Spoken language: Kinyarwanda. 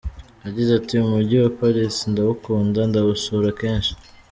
Yagize ati “Umujyi wa Paris ndawukunda, ndawusura kenshi.